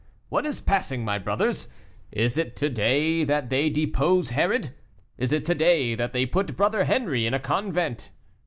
What is passing, my brothers? Is it to day that they depose Herod? Is it to day that they put brother Henri in a convent?